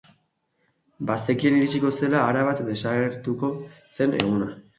Bazekien iritsiko zela erabat desagertuko zen eguna.